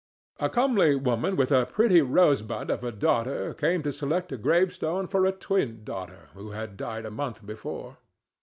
A comely woman with a pretty rosebud of a daughter came to select a gravestone for a twin daughter, who had died a month before.